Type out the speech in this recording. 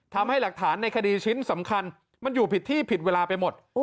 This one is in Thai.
ทำให้หลักฐานในคดีชิ้นสำคัญมันอยู่ผิดที่ผิดเวลาไปหมด